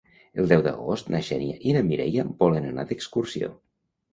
El deu d'agost na Xènia i na Mireia volen anar d'excursió.